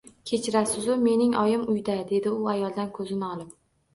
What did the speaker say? Kechirasiz-u, mening oyim uyda, dedi u ayoldan ko`zini olib